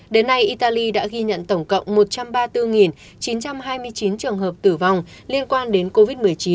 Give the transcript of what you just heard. đến nay italy đã ghi nhận tổng cộng một trăm ba mươi bốn chín trăm hai mươi chín trường hợp tử vong liên quan đến covid một mươi chín